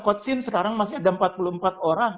kocin sekarang masih ada empat puluh empat orang